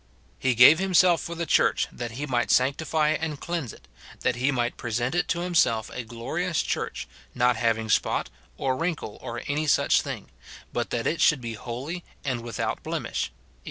" He gave himself for the church, that he might sanctify and cleanse it ; that he might present it to himself a glorious church, not having spot, or wrinkle, or any such thing ; but that it should be holy and without blemish," Eph.